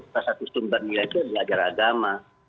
salah satu sumber nilai itu adalah ajar agama